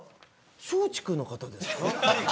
松竹の方ですか。